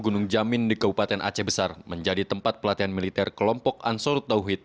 gunung jamin di kabupaten aceh besar menjadi tempat pelatihan militer kelompok ansarut tauhid